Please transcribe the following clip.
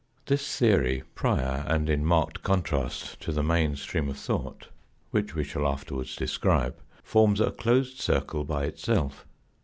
This theory, prior and in marked contrast to the main stream of thought, which we shall afterwards describe, forms a closed circle by itself.